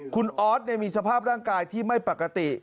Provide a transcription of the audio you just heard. คุณออสมีสภาพร่างกายที่ไม่ปกติ